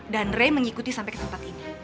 dan rey mengikuti sampai ke tempat ini